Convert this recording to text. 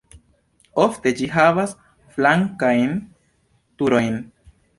Ofte ĝi havas flankajn turojn.